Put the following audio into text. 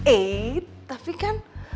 eh tapi kan